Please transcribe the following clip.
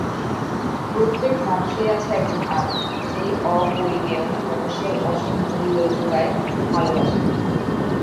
প্রত্যেক মানুষেই আছে একজন আমি, সেই অপরিমেয় রহস্যের অসীম মূল্য জোগায় ভালোবাসায়।